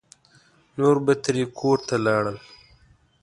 نور به ترې کور ته لاړل.